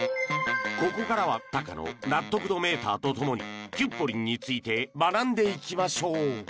ここからはタカの納得度メーターとともにキュッポリンについて学んでいきましょう